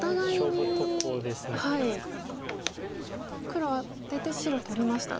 黒は出て白取りました。